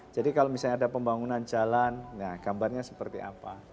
jadi kalau misalnya ada pembangunan jalan gambarnya seperti apa